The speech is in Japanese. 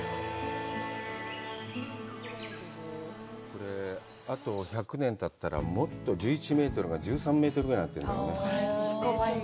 これ、あと１００年たったら、もっと１１メートルが１３メートルぐらいになってるんだよね。